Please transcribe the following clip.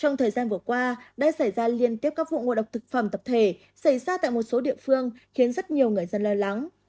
trong thời gian vừa qua đã xảy ra liên tiếp các vụ ngộ độc thực phẩm tập thể xảy ra tại một số địa phương khiến rất nhiều người dân lo lắng